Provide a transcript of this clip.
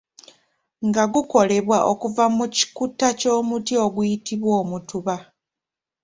Nga gukolebwa okuva mu kikuta ky'omuti oguyititbwa omutuba.